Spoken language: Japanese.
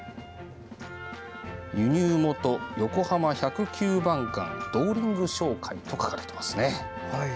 「輸入元横浜百九番館ドーリング商会」と書かれています。